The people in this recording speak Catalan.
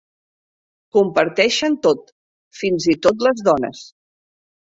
Comparteixen tot, fins i tot les dones.